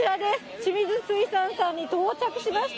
清水水産さんに到着しました。